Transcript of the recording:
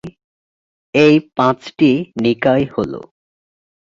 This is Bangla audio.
এই পাঁচটি নিকায় হল-